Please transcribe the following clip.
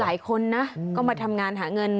หลายคนนะก็มาทำงานหาเงิน